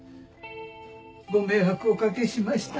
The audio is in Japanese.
ご迷惑お掛けしました。